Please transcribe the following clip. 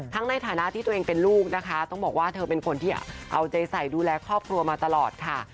ในฐานะที่ตัวเองเป็นลูกนะคะต้องบอกว่าเธอเป็นคนที่เอาใจใส่ดูแลครอบครัวมาตลอดค่ะ